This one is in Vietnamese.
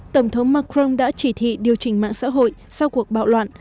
tổng thống macron đã chỉ thị điều chỉnh mạng xã hội sau cuộc bạo loạn